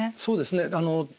そうですね。